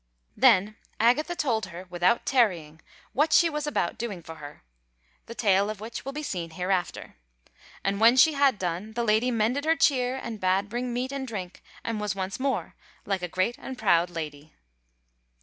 Then Agatha told her without tarrying what she was about doing for her, the tale of which will be seen hereafter; and when she had done, the Lady mended her cheer, and bade bring meat and drink, and was once more like a great and proud Lady.